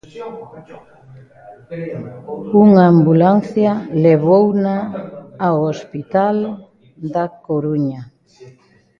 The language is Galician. Unha ambulancia levouna ao hospital da Coruña.